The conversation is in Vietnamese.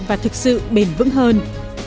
và thực sự bền vững hơn